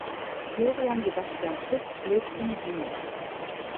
Florian Sebastian Fitz lebt in Wien.